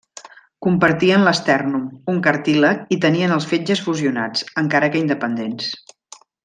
Compartien l'estèrnum, un cartílag i tenien els fetges fusionats, encara que independents.